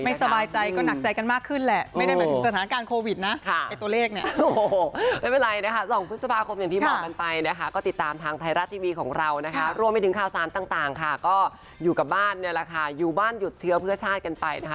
ไม่สบายใจก็หนักใจกันมากขึ้นแหละไม่ได้เหมือนถึงสถานการณ์โควิดนะตัวเลขเนี่ย